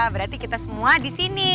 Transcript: berarti kita semua disini